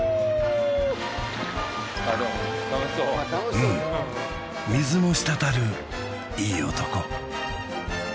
うん水も滴るいい男